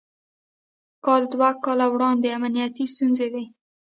کال دوه کاله وړاندې امنيتي ستونزې وې.